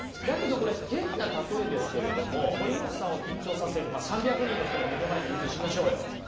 だけどこれ変な例えですけれども堀本さんを緊張させる３００人の人が目の前にいるとしましょうよ。